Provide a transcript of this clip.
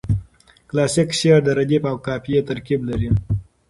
کلاسیک شعر د ردیف او قافیه ترکیب لري.